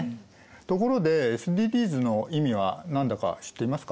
ところでＳＤＧｓの意味は何だか知っていますか？